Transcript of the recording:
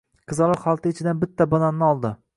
Qizaloq xalta ichidan bitta bananni oldi.